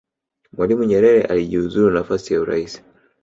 mwalimu nyerere alijiuzulu nafasi ya uraisi